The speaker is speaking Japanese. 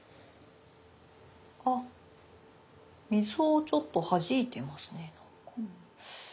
あ水をちょっとはじいてますね。